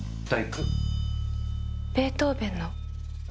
ベートーベンの。